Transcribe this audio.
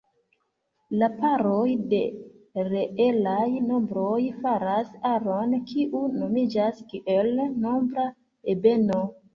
La paroj de reelaj nombroj faras aron, kiu nomiĝas kiel nombra ebeno.